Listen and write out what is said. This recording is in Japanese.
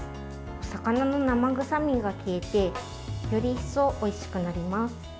魚の生臭みが消えてより一層おいしくなります。